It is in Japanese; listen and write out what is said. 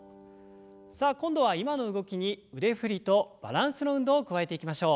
さあ今度は今の動きに腕振りとバランスの運動を加えていきましょう。